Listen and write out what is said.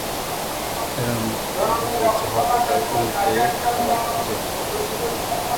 এরা মাটিতে হেঁটে ঝরা পাতা উল্টে খাবার খুঁজে খায়।